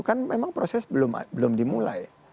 kan memang proses belum dimulai